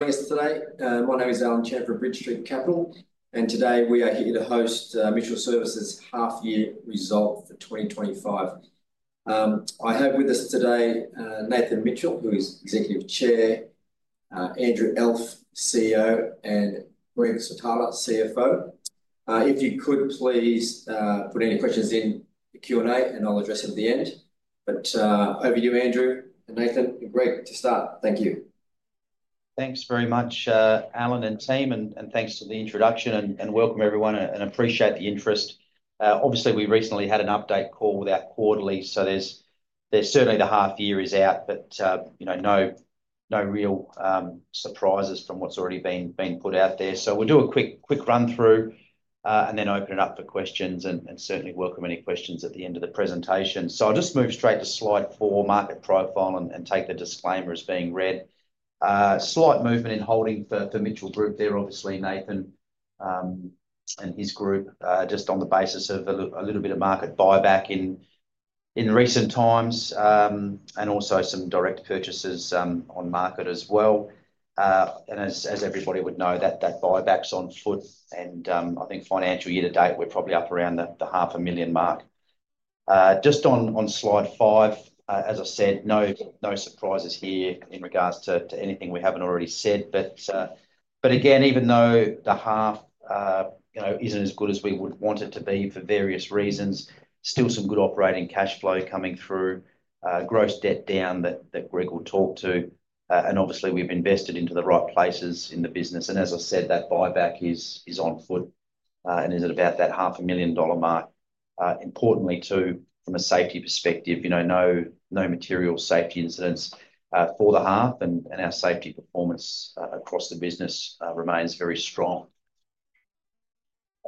Thanks for today. My name is Allen Chan for Bridge Street Capital, and today we are here to host Mitchell Services' half-year result for 2025. I have with us today Nathan Mitchell, who is Executive Chair, Andrew Elf, CEO, and Greg Switala, CFO. If you could please put any questions in the Q&A, and I'll address them at the end. Over to you, Andrew, and Nathan and Greg to start. Thank you. Thanks very much, Allen and team, and thanks for the introduction. Welcome, everyone, and appreciate the interest. Obviously, we recently had an update call with our quarterly, so there's certainly the half-year is out, but no real surprises from what's already been put out there. We'll do a quick run-through and then open it up for questions, and certainly welcome any questions at the end of the presentation. I'll just move straight to slide four, market profile, and take the disclaimer as being read. Slight movement in holding for Mitchell Group there, obviously, Nathan and his group, just on the basis of a little bit of market buyback in recent times and also some direct purchases on market as well. As everybody would know, that buyback's on foot, and I think financial year to date we're probably up around the 500,000 mark. Just on slide five, as I said, no surprises here in regards to anything we have not already said. Again, even though the half is not as good as we would want it to be for various reasons, still some good operating cash flow coming through, gross debt down that Greg will talk to, and obviously we have invested into the right places in the business. As I said, that buyback is on foot, and it is at about that 500,000 dollar mark. Importantly too, from a safety perspective, no material safety incidents for the half, and our safety performance across the business remains very strong.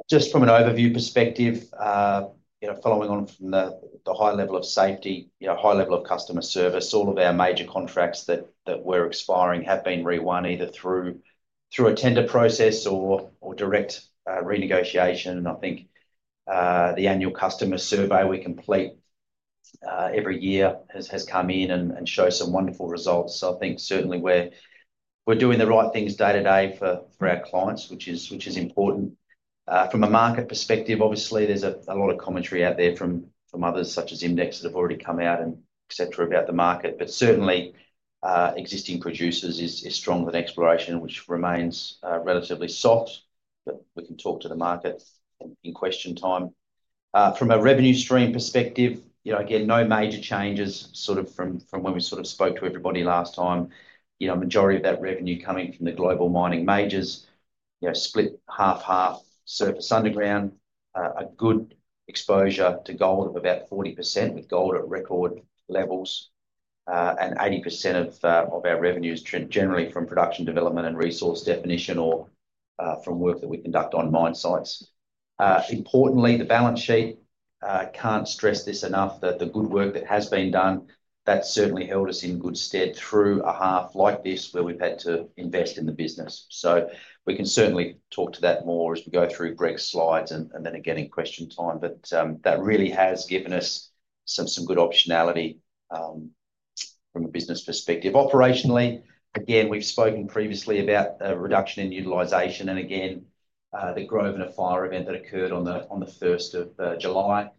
Just from an overview perspective, following on from the high level of safety, high level of customer service, all of our major contracts that were expiring have been rewon, either through a tender process or direct renegotiation. I think the annual customer survey we complete every year has come in and shows some wonderful results. I think certainly we're doing the right things day to day for our clients, which is important. From a market perspective, obviously there's a lot of commentary out there from others such as IMDEX that have already come out and etc. about the market, but certainly existing producers is stronger than exploration, which remains relatively soft, but we can talk to the market in question time. From a revenue stream perspective, again, no major changes sort of from when we sort of spoke to everybody last time. The majority of that revenue coming from the global mining majors split half-half surface underground, a good exposure to gold of about 40% with gold at record levels, and 80% of our revenue is generally from production development and resource definition or from work that we conduct on mine sites. Importantly, the balance sheet, can't stress this enough, the good work that has been done, that's certainly held us in good stead through a half like this where we've had to invest in the business. We can certainly talk to that more as we go through Greg's slides and then again in question time, but that really has given us some good optionality from a business perspective. Operationally, again, we've spoken previously about a reduction in utilisation, and again, the Grosvenor Mine fire event that occurred on the 1st of July.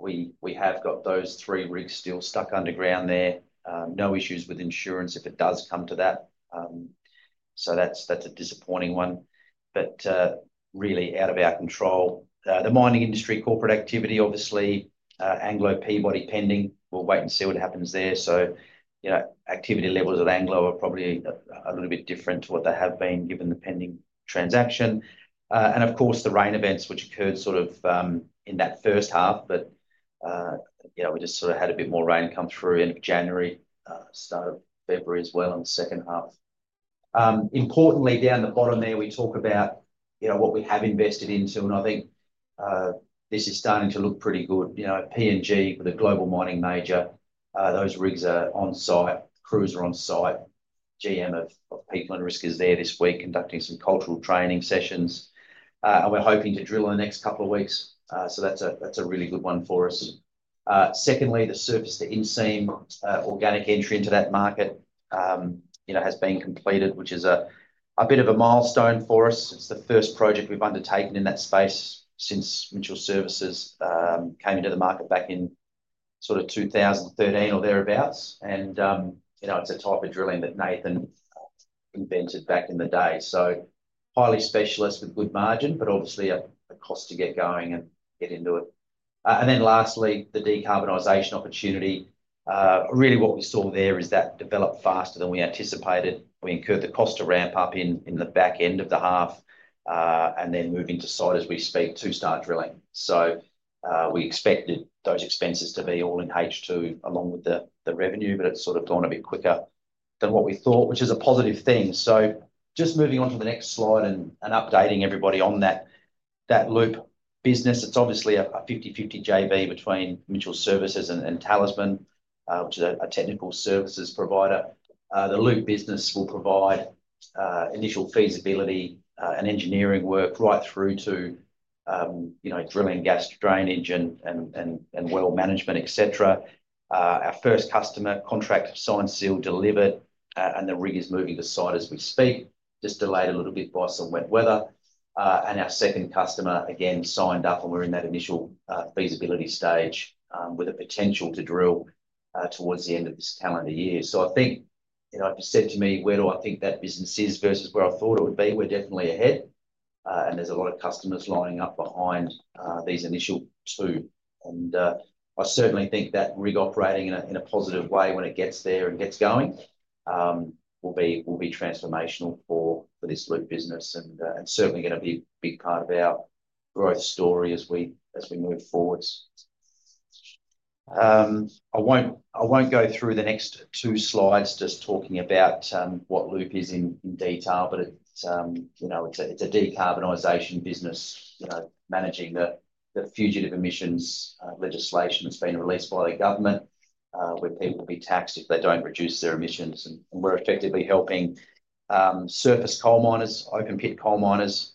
We have got those three rigs still stuck underground there. No issues with insurance if it does come to that. That is a disappointing one, but really out of our control. The mining industry corporate activity, obviously, Anglo, Peabody pending. We will wait and see what happens there. Activity levels at Anglo are probably a little bit different to what they have been given the pending transaction. Of course, the rain events which occurred sort of in that first half, but we just sort of had a bit more rain come through end of January, start of February as well in the second half. Importantly, down the bottom there, we talk about what we have invested into, and I think this is starting to look pretty good. PNG, the global mining major, those rigs are on site, crews are on site. GM of People and Risk is there this week conducting some cultural training sessions, and we're hoping to drill in the next couple of weeks. That is a really good one for us. Secondly, the Surface to In-Seam organic entry into that market has been completed, which is a bit of a milestone for us. It is the first project we've undertaken in that space since Mitchell Services came into the market back in sort of 2013 or thereabouts. It is a type of drilling that Nathan invented back in the day. Highly specialist with good margin, but obviously a cost to get going and get into it. Lastly, the decarbonisation opportunity. Really what we saw there is that developed faster than we anticipated. We incurred the cost to ramp up in the back end of the half and then moving to site as we speak to start drilling. We expected those expenses to be all in H2 along with the revenue, but it has sort of gone a bit quicker than what we thought, which is a positive thing. Just moving on to the next slide and updating everybody on that Loop business. It is obviously a 50/50 JV between Mitchell Services and Talisman, which is a technical services provider. The Loop business will provide initial feasibility and engineering work right through to drilling, gas drainage, and well management, etc. Our first customer, contract signed, sealed, delivered, and the rig is moving to site as we speak. Just delayed a little bit by some wet weather. Our second customer, again, signed up, and we are in that initial feasibility stage with a potential to drill towards the end of this calendar year. I think, if you said to me, "Where do I think that business is versus where I thought it would be?" We're definitely ahead, and there's a lot of customers lining up behind these initial two. I certainly think that rig operating in a positive way when it gets there and gets going will be transformational for this Loop business and certainly going to be a big part of our growth story as we move forwards. I won't go through the next two slides just talking about what Loop is in detail, but it's a decarbonisation business managing the fugitive emissions legislation that's been released by the government where people will be taxed if they don't reduce their emissions. We're effectively helping surface coal miners, open pit coal miners,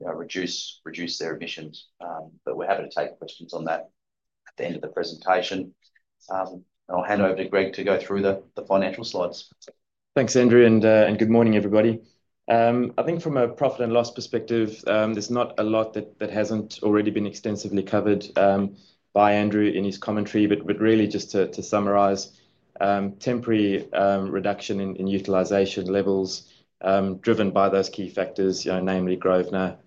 reduce their emissions. We're happy to take questions on that at the end of the presentation. I'll hand over to Greg to go through the financial slides. Thanks, Andrew, and good morning, everybody. I think from a profit and loss perspective, there's not a lot that hasn't already been extensively covered by Andrew in his commentary, but really just to summarize, temporary reduction in utilization levels driven by those key factors, namely Grosvenor,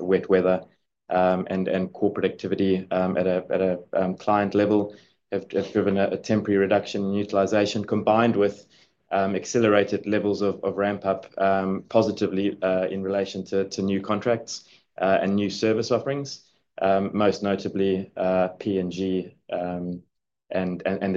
wet weather, and corporate activity at a client level have driven a temporary reduction in utilization combined with accelerated levels of ramp-up positively in relation to new contracts and new service offerings, most notably PNG and the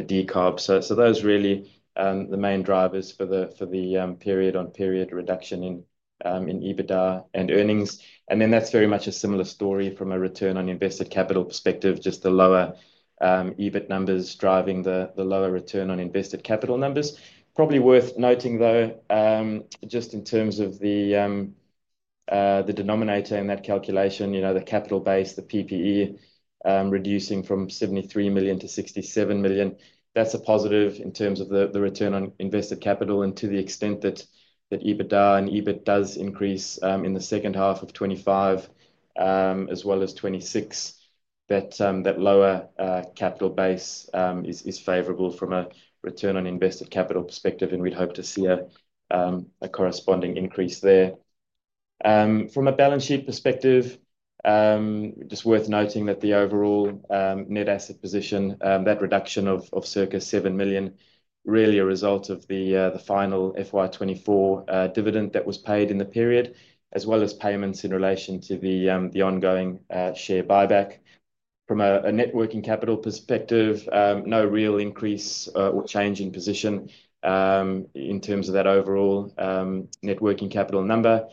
Decarb. Those are really the main drivers for the period-on-period reduction in EBITDA and earnings. That is very much a similar story from a return on invested capital perspective, just the lower EBIT numbers driving the lower return on invested capital numbers. Probably worth noting though, just in terms of the denominator in that calculation, the capital base, the PPE reducing from 73 million to 67 million, that's a positive in terms of the return on invested capital and to the extent that EBITDA and EBIT does increase in the second half of 2025 as well as 2026, that lower capital base is favorable from a return on invested capital perspective, and we'd hope to see a corresponding increase there. From a balance sheet perspective, just worth noting that the overall net asset position, that reduction of circa 7 million, really a result of the final FY2024 dividend that was paid in the period, as well as payments in relation to the ongoing share buyback. From a networking capital perspective, no real increase or change in position in terms of that overall networking capital number.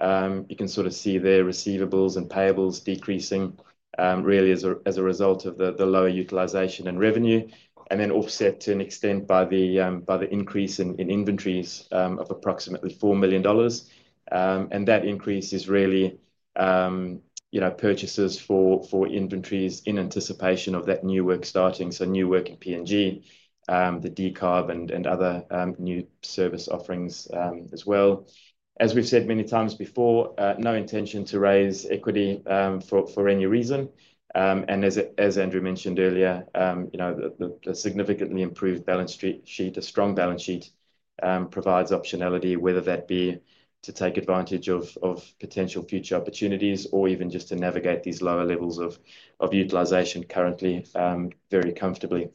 You can sort of see their receivables and payables decreasing really as a result of the lower utilisation and revenue, and then offset to an extent by the increase in inventories of approximately 4 million dollars. That increase is really purchases for inventories in anticipation of that new work starting, so new work in PNG, the Decarb, and other new service offerings as well. As we have said many times before, no intention to raise equity for any reason. As Andrew mentioned earlier, the significantly improved balance sheet, a strong balance sheet, provides optionality, whether that be to take advantage of potential future opportunities or even just to navigate these lower levels of utilisation currently very comfortably.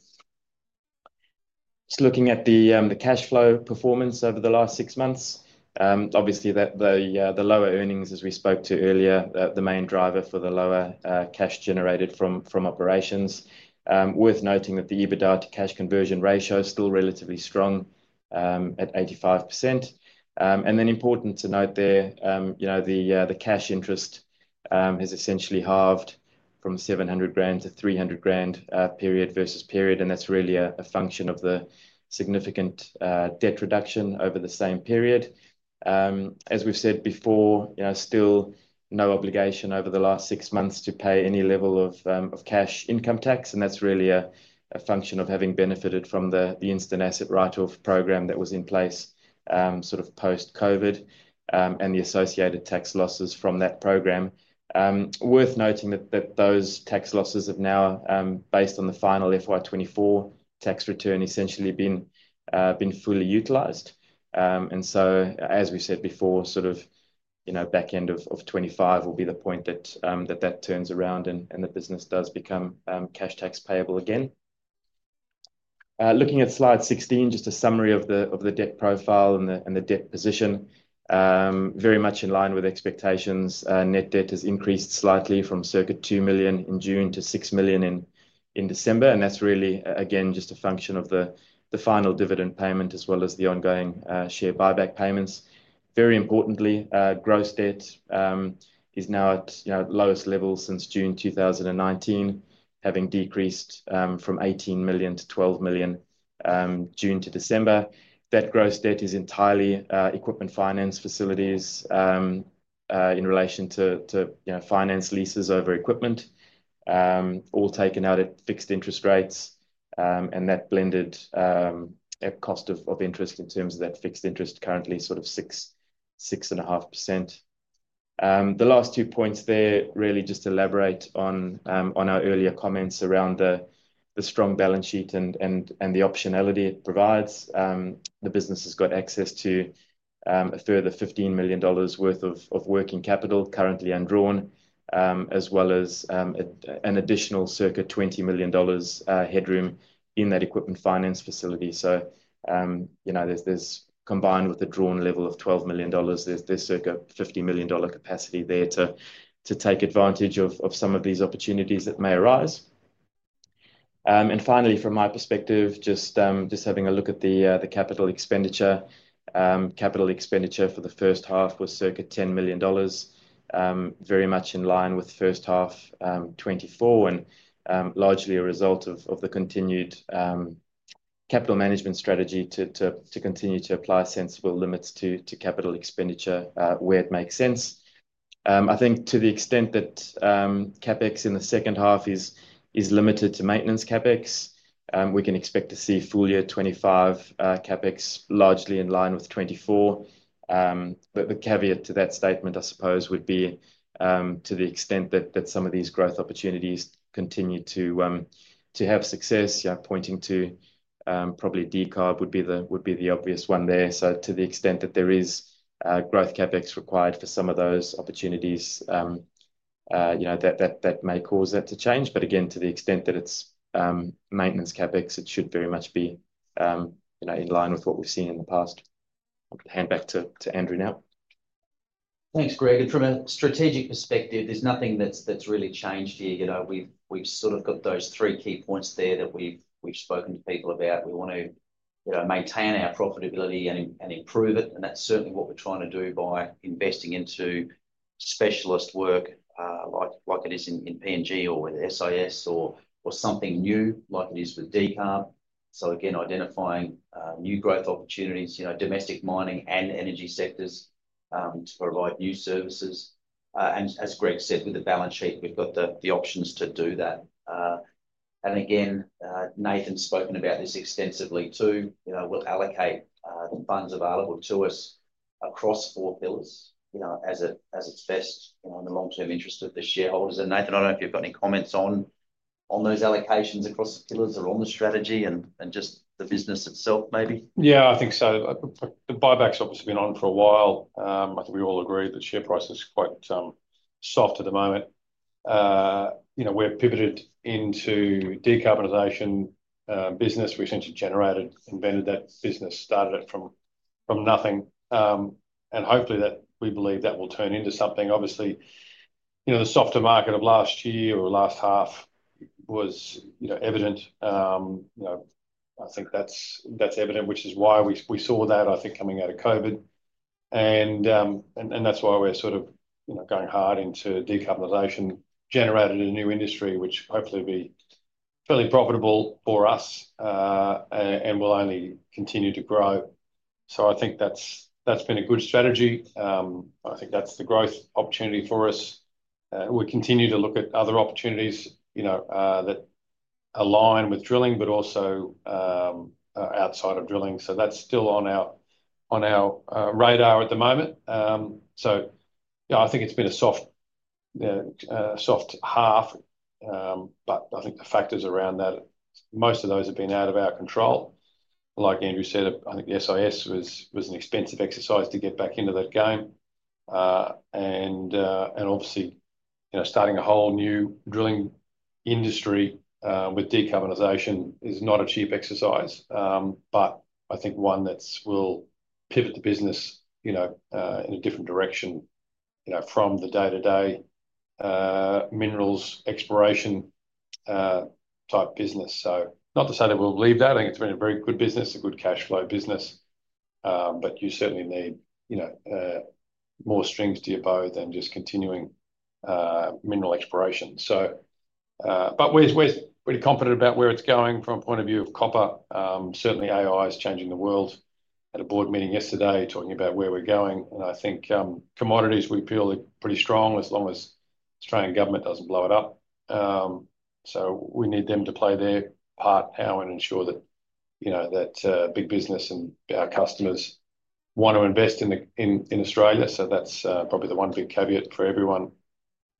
Just looking at the cash flow performance over the last six months, obviously the lower earnings, as we spoke to earlier, the main driver for the lower cash generated from operations. Worth noting that the EBITDA to cash conversion ratio is still relatively strong at 85%. It is important to note there, the cash interest has essentially halved from 700,000 to 300,000 period versus period, and that is really a function of the significant debt reduction over the same period. As we have said before, still no obligation over the last six months to pay any level of cash income tax, and that is really a function of having benefited from the instant asset write-off program that was in place sort of post-COVID and the associated tax losses from that program. Worth noting that those tax losses have now, based on the final FY2024 tax return, essentially been fully utilized. As we said before, sort of back end of 2025 will be the point that that turns around and the business does become cash tax payable again. Looking at slide 16, just a summary of the debt profile and the debt position, very much in line with expectations, net debt has increased slightly from circa 2 million in June to 6 million in December, and that's really, again, just a function of the final dividend payment as well as the ongoing share buyback payments. Very importantly, gross debt is now at lowest level since June 2019, having decreased from 18 million to 12 million June to December. That gross debt is entirely equipment finance facilities in relation to finance leases over equipment, all taken out at fixed interest rates, and that blended at cost of interest in terms of that fixed interest currently sort of 6.5%. The last two points there really just elaborate on our earlier comments around the strong balance sheet and the optionality it provides. The business has got access to a further 15 million dollars worth of working capital currently undrawn, as well as an additional circa 20 million dollars headroom in that equipment finance facility. Combined with the drawn level of 12 million dollars, there is circa 50 million dollar capacity there to take advantage of some of these opportunities that may arise. Finally, from my perspective, just having a look at the capital expenditure, capital expenditure for the first half was circa 10 million dollars, very much in line with first half 2024 and largely a result of the continued capital management strategy to continue to apply sensible limits to capital expenditure where it makes sense. I think to the extent that CapEx in the second half is limited to maintenance CapEx, we can expect to see full year 2025 CapEx largely in line with 2024. The caveat to that statement, I suppose, would be to the extent that some of these growth opportunities continue to have success, pointing to probably Decarb would be the obvious one there. To the extent that there is growth CapEx required for some of those opportunities, that may cause that to change. Again, to the extent that it's maintenance CapEx, it should very much be in line with what we've seen in the past. I'll hand back to Andrew now. Thanks, Greg. From a strategic perspective, there's nothing that's really changed here. We've sort of got those three key points there that we've spoken to people about. We want to maintain our profitability and improve it, and that's certainly what we're trying to do by investing into specialist work like it is in PNG or with SIS or something new like it is with Decarb. Again, identifying new growth opportunities, domestic mining and energy sectors to provide new services. As Greg said, with the balance sheet, we've got the options to do that. Nathan's spoken about this extensively too. We'll allocate the funds available to us across four pillars as it's best in the long-term interest of the shareholders. Nathan, I don't know if you've got any comments on those allocations across the pillars or on the strategy and just the business itself maybe. Yeah, I think so. The buybacks have obviously been on for a while. I think we all agree that share price is quite soft at the moment. We're pivoted into decarbonisation business. We essentially generated, invented that business, started it from nothing. Hopefully that we believe that will turn into something. Obviously, the softer market of last year or last half was evident. I think that's evident, which is why we saw that, I think, coming out of COVID. That is why we're sort of going hard into decarbonisation, generated a new industry, which hopefully will be fairly profitable for us and will only continue to grow. I think that's been a good strategy. I think that's the growth opportunity for us. We continue to look at other opportunities that align with drilling, but also outside of drilling. That's still on our radar at the moment. I think it's been a soft half, but I think the factors around that, most of those have been out of our control. Like Andrew said, I think the SIS was an expensive exercise to get back into that game. Obviously, starting a whole new drilling industry with decarbonisation is not a cheap exercise, but I think one that will pivot the business in a different direction from the day-to-day minerals exploration type business. Not to say that we'll leave that. I think it's been a very good business, a good cash flow business, but you certainly need more strings to your bow than just continuing mineral exploration. We're pretty confident about where it's going from a point of view of copper. Certainly, AI is changing the world. At a board meeting yesterday, talking about where we're going. I think commodities will be pretty strong as long as the Australian government does not blow it up. We need them to play their part, how, and ensure that big business and our customers want to invest in Australia. That is probably the one big caveat for everyone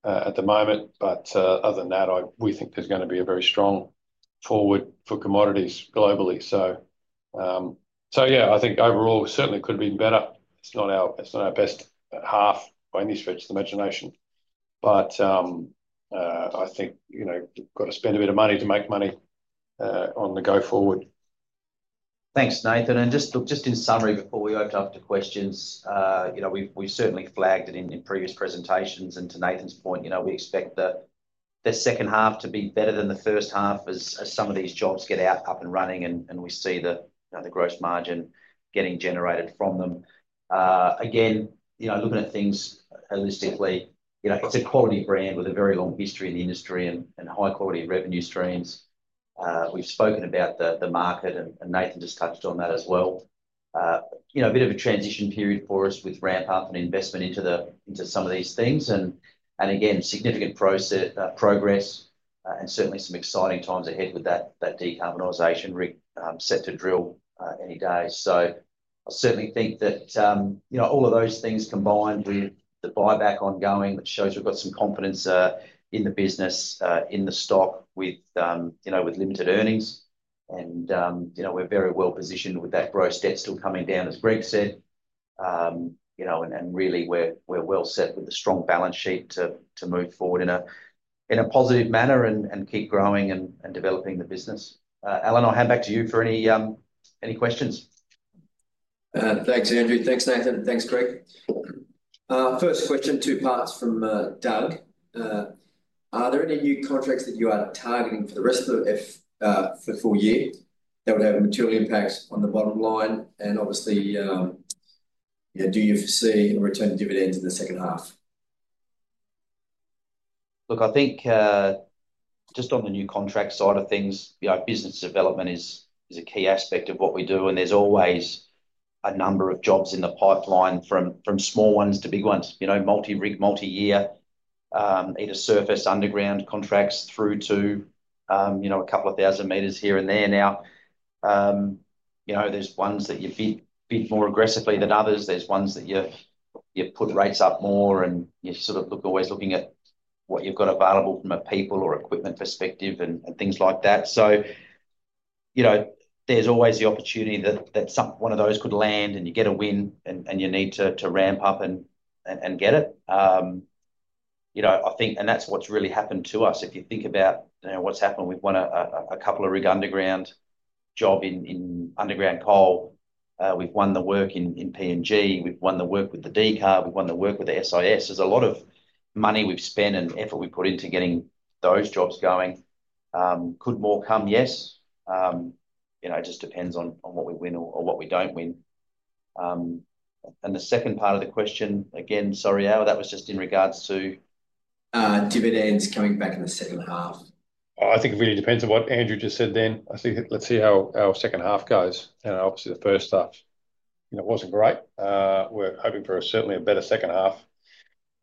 at the moment. Other than that, we think there is going to be a very strong forward for commodities globally. Yeah, I think overall, certainly could have been better. It is not our best half by any stretch of the imagination. I think we have got to spend a bit of money to make money on the go forward. Thanks, Nathan. Just in summary, before we open up to questions, we've certainly flagged it in previous presentations. To Nathan's point, we expect the second half to be better than the first half as some of these jobs get up and running and we see the gross margin getting generated from them. Again, looking at things holistically, it's a quality brand with a very long history in the industry and high-quality revenue streams. We've spoken about the market, and Nathan just touched on that as well. It is a bit of a transition period for us with ramp-up and investment into some of these things. Again, significant progress and certainly some exciting times ahead with that decarbonisation set to drill any day. I certainly think that all of those things combined with the buyback ongoing, which shows we've got some confidence in the business, in the stock with limited earnings. We're very well positioned with that gross debt still coming down, as Greg said. We're well set with a strong balance sheet to move forward in a positive manner and keep growing and developing the business. Allen, I'll hand back to you for any questions. Thanks, Andrew. Thanks, Nathan. Thanks, Greg. First question, two parts from Doug. Are there any new contracts that you are targeting for the rest of the full year that would have a material impact on the bottom line? Obviously, do you foresee a return to dividends in the second half? Look, I think just on the new contract side of things, business development is a key aspect of what we do. There's always a number of jobs in the pipeline from small ones to big ones, multi-rig, multi-year, either surface, underground contracts through to a couple of thousand meters here and there. There's ones that you bid more aggressively than others. There's ones that you put rates up more and you sort of look, always looking at what you've got available from a people or equipment perspective and things like that. There's always the opportunity that one of those could land and you get a win and you need to ramp up and get it. I think that's what's really happened to us. If you think about what's happened, we've won a couple of rig underground jobs in underground coal. We've won the work in PNG. We've won the work with the decarb. We've won the work with the SIS. There's a lot of money we've spent and effort we've put into getting those jobs going. Could more come? Yes. It just depends on what we win or what we don't win. The second part of the question, again, Sorry, that was just in regards to. Dividends coming back in the second half? I think it really depends on what Andrew just said then. Let's see how our second half goes. Obviously, the first half wasn't great. We're hoping for certainly a better second half.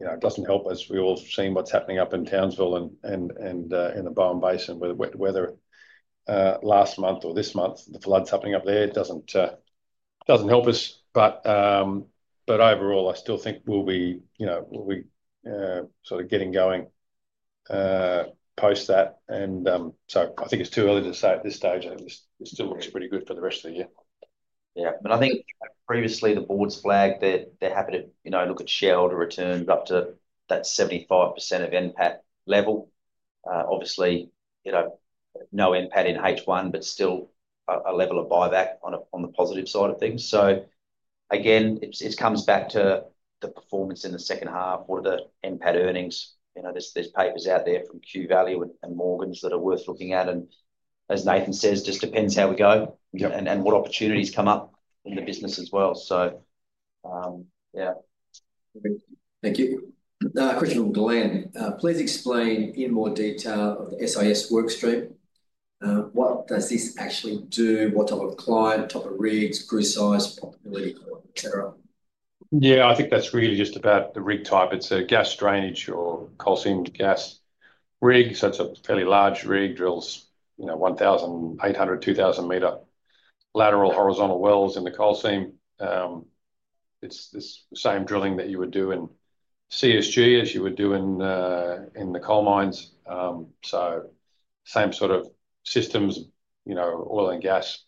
It doesn't help us. We've all seen what's happening up in Townsville and in the Bowen Basin, whether last month or this month, the floods happening up there. It doesn't help us. Overall, I still think we'll be sort of getting going post that. I think it's too early to say at this stage. It still looks pretty good for the rest of the year. Yeah. I think previously, the board's flagged that they happened to look at shareholder returns up to that 75% of NPAT level. Obviously, no NPAT in H1, but still a level of buyback on the positive side of things. Again, it comes back to the performance in the second half. What are the NPAT earnings? There are papers out there from Q Value and Morgans that are worth looking at. As Nathan says, it just depends how we go and what opportunities come up in the business as well. Yeah. Thank you. Question from Glenn. Please explain in more detail of the SIS workstream. What does this actually do? What type of client, type of rigs, crew size, profitability, etc.? Yeah, I think that's really just about the rig type. It's a gas drainage or coal seam gas rig. It's a fairly large rig. Drills 1,800 m-2,000 m lateral horizontal wells in the coal seam. It's the same drilling that you would do in CSG as you would do in the coal mines. Same sort of systems, oil and gas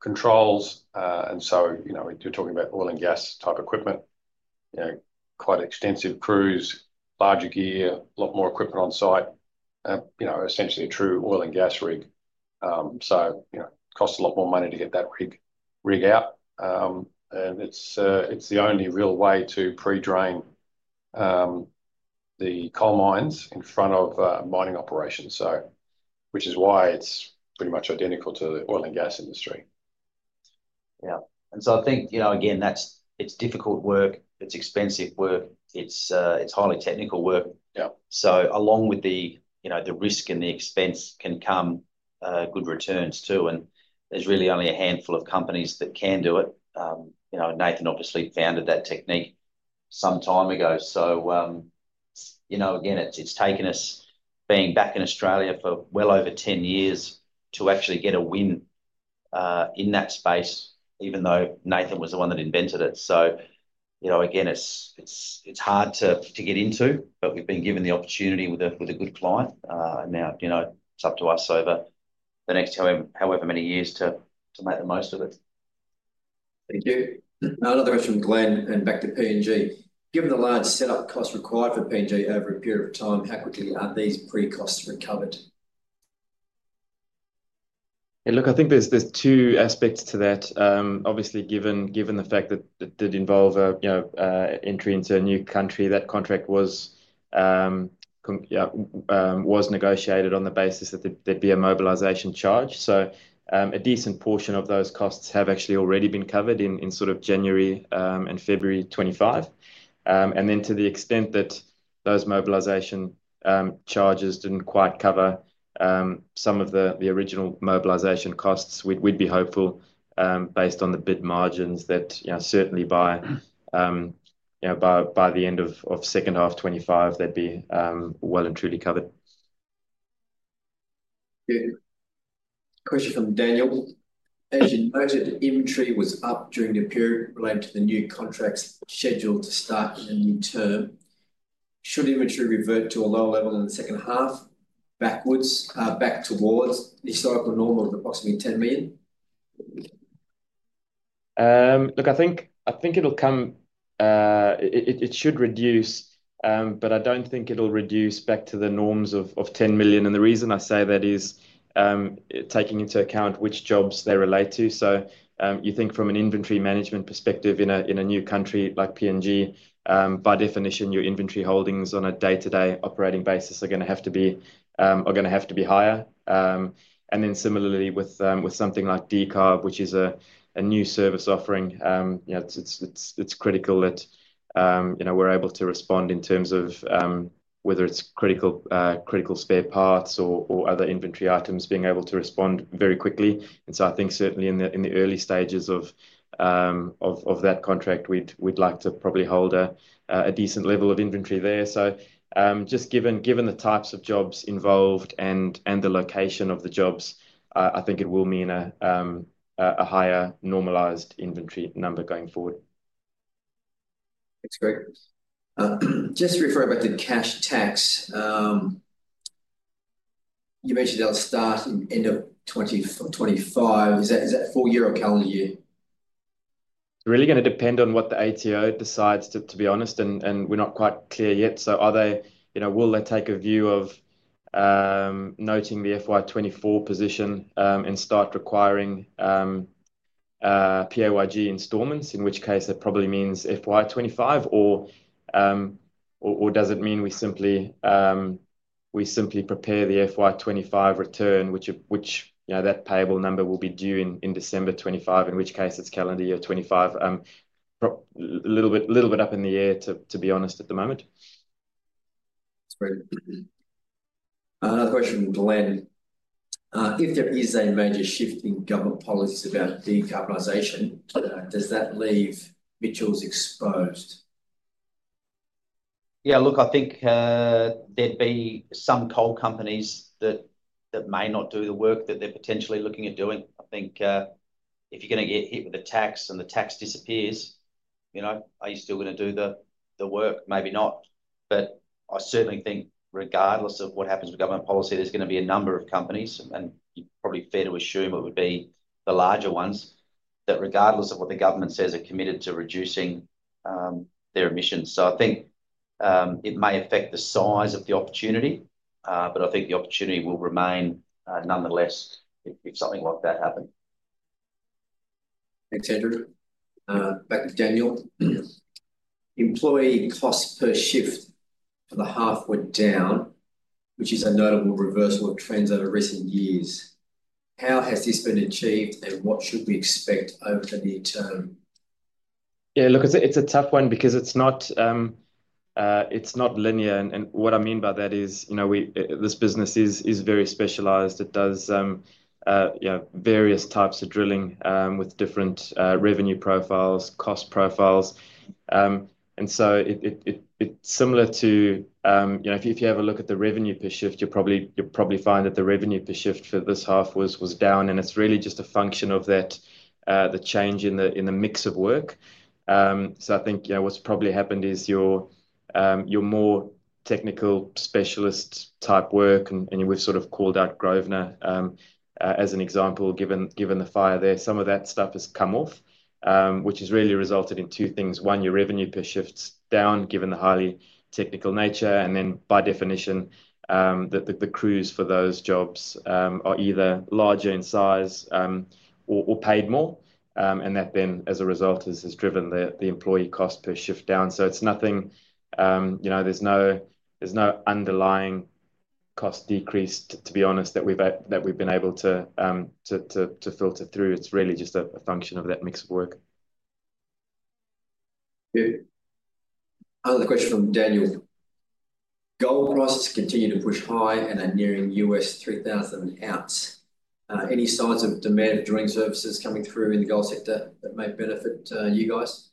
controls. You're talking about oil and gas type equipment, quite extensive crews, larger gear, a lot more equipment on site, essentially a true oil and gas rig. It costs a lot more money to get that rig out. It's the only real way to pre-drain the coal mines in front of mining operations, which is why it's pretty much identical to the oil and gas industry. Yeah. I think, again, it's difficult work. It's expensive work. It's highly technical work. Along with the risk and the expense can come good returns too. There's really only a handful of companies that can do it. Nathan obviously founded that technique some time ago. It's taken us being back in Australia for well over 10 years to actually get a win in that space, even though Nathan was the one that invented it. It's hard to get into, but we've been given the opportunity with a good client. Now, it's up to us over the next however many years to make the most of it. Thank you. Another question from Glenn and back to PNG. Given the large setup cost required for PNG over a period of time, how quickly are these pre-costs recovered? Yeah, look, I think there's two aspects to that. Obviously, given the fact that it did involve entry into a new country, that contract was negotiated on the basis that there'd be a mobilisation charge. So a decent portion of those costs have actually already been covered in sort of January and February 2025. And then to the extent that those mobilisation charges didn't quite cover some of the original mobilisation costs, we'd be hopeful based on the bid margins that certainly by the end of second half 2025, they'd be well and truly covered. Good. Question from Daniel. As you noted, inventory was up during the period related to the new contracts scheduled to start in a new term. Should inventory revert to a low level in the second half back towards the historical norm of approximately 10 million? Look, I think it'll come, it should reduce, but I don't think it'll reduce back to the norms of 10 million. The reason I say that is taking into account which jobs they relate to. You think from an inventory management perspective in a new PNG, by definition, your inventory holdings on a day-to-day operating basis are going to have to be higher. Similarly, with something like decarb, which is a new service offering, it's critical that we're able to respond in terms of whether it's critical spare parts or other inventory items, being able to respond very quickly. I think certainly in the early stages of that contract, we'd like to probably hold a decent level of inventory there. Just given the types of jobs involved and the location of the jobs, I think it will mean a higher normalised inventory number going forward. That's great. Just referring back to cash tax, you mentioned it'll start in the end of 2025. Is that full year or calendar year? It's really going to depend on what the ATO decides, to be honest. We're not quite clear yet. Will they take a view of noting the FY24 position and start requiring PAYG installments, in which case that probably means FY25? Does it mean we simply prepare the FY25 return, which that payable number will be due in December 2025, in which case it's calendar year 2025? A little bit up in the air, to be honest, at the moment. That's great. Another question from Glenn. If there is a major shift in government policies about decarbonisation, does that leave Mitchells exposed? Yeah, look, I think there'd be some coal companies that may not do the work that they're potentially looking at doing. I think if you're going to get hit with the tax and the tax disappears, are you still going to do the work? Maybe not. I certainly think regardless of what happens with government policy, there's going to be a number of companies, and you're probably fair to assume it would be the larger ones that regardless of what the government says, are committed to reducing their emissions. I think it may affect the size of the opportunity, but I think the opportunity will remain nonetheless if something like that happens. Thanks, Andrew. Back to Daniel. Employee cost per shift for the half-year down, which is a notable reversal of trends over recent years. How has this been achieved, and what should we expect over the near term? Yeah, look, it's a tough one because it's not linear. What I mean by that is this business is very specialised. It does various types of drilling with different revenue profiles, cost profiles. It's similar to if you have a look at the revenue per shift, you'll probably find that the revenue per shift for this half was down. It's really just a function of the change in the mix of work. I think what's probably happened is your more technical specialist type work, and we've sort of called out Grosvenor as an example given the fire there. Some of that stuff has come off, which has really resulted in two things. One, your revenue per shift's down given the highly technical nature. By definition, the crews for those jobs are either larger in size or paid more. That then, as a result, has driven the employee cost per shift down. There is nothing, there is no underlying cost decrease, to be honest, that we have been able to filter through. It is really just a function of that mix of work. Good. Another question from Daniel. Gold prices continue to push high and are nearing $3,000 ounce. Any signs of demand for drilling services coming through in the gold sector that may benefit you guys?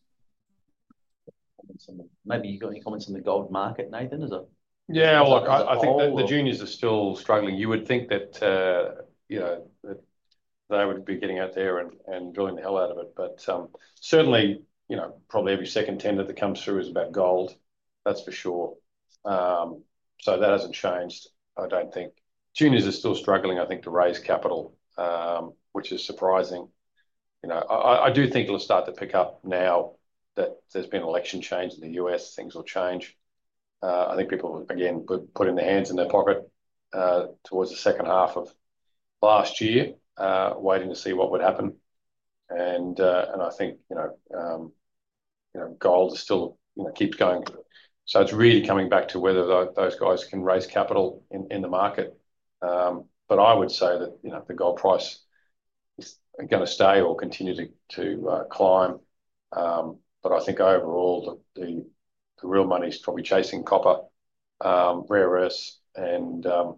Maybe you've got any comments on the gold market, Nathan? Yeah. Look, I think the juniors are still struggling. You would think that they would be getting out there and drilling the hell out of it. Certainly, probably every second tender that comes through is about gold, that's for sure. That hasn't changed, I don't think. Juniors are still struggling, I think, to raise capital, which is surprising. I do think it'll start to pick up now that there's been election change in the U.S., things will change. I think people, again, put in their hands in their pocket towards the second half of last year, waiting to see what would happen. I think gold still keeps going. It's really coming back to whether those guys can raise capital in the market. I would say that the gold price is going to stay or continue to climb. I think overall, the real money's probably chasing copper, rare earths, and the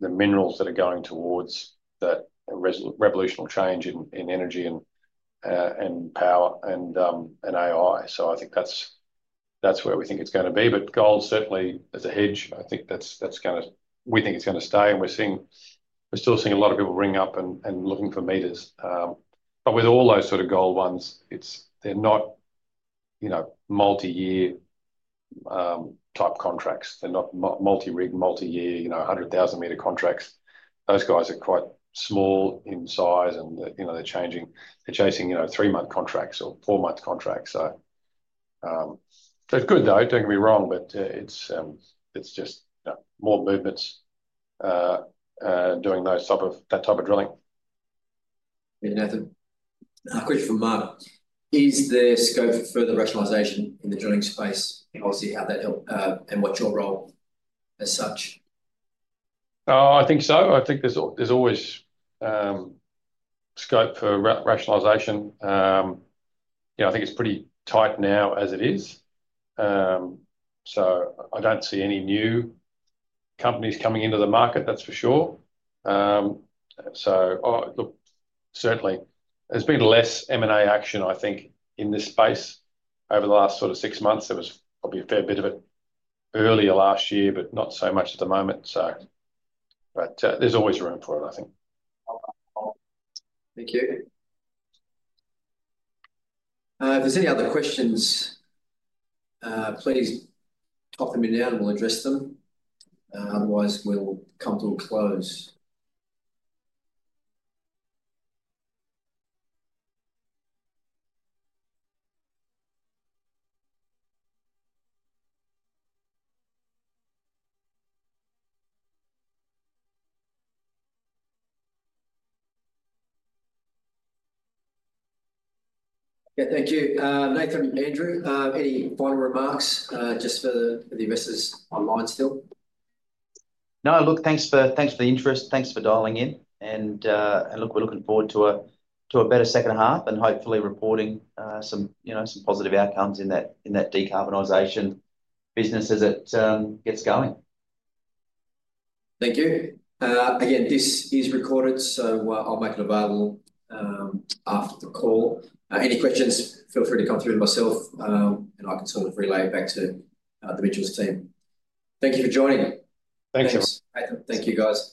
minerals that are going towards that revolutionary change in energy and power and AI. I think that's where we think it's going to be. Gold, certainly, as a hedge, I think that's going to—we think it's going to stay. We're still seeing a lot of people ring up and looking for meters. With all those sort of gold ones, they're not multi-year type contracts. They're not multi-rig, multi-year, 100,000 metre contracts. Those guys are quite small in size, and they're chasing three-month contracts or four-month contracts. It's good, though. Don't get me wrong, but it's just more movements doing that type of drilling. Nathan? Question from Mark. Is there scope for further rationalisation in the drilling space? Obviously, how'd that help and what's your role as such? I think so. I think there's always scope for rationalisation. Yeah, I think it's pretty tight now as it is. I don't see any new companies coming into the market, that's for sure. Certainly, there's been less M&A action, I think, in this space. Over the last sort of six months, there was probably a fair bit of it earlier last year, not so much at the moment. There's always room for it, I think. Thank you. If there's any other questions, please pop them in now and we'll address them. Otherwise, we'll come to a close. Thank you. Nathan and Andrew, any final remarks just for the investors online still? No, look, thanks for the interest. Thanks for dialing in. We are looking forward to a better second half and hopefully reporting some positive outcomes in that decarbonisation business as it gets going. Thank you. Again, this is recorded, so I'll make it available after the call. Any questions, feel free to come through to myself, and I can sort of relay it back to the Mitchell Services team. Thank you for joining. Thanks, guys. Thank you, guys.